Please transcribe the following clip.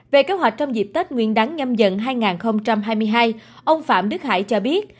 về kế hoạch trong dịp tết nguyên đáng nhâm dần hai nghìn hai mươi hai ông phạm đức hải cho biết